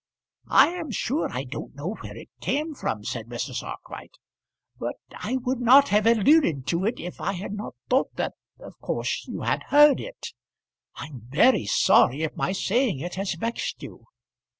"I am sure I don't know where it came from," said Mrs. Arkwright; "but I would not have alluded to it if I had not thought that of course you had heard it. I am very sorry if my saying it has vexed you."